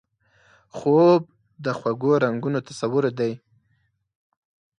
خوب د خوږو رنګونو تصور دی